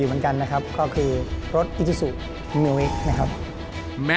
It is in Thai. ช่วยฝังดินหรือกว่า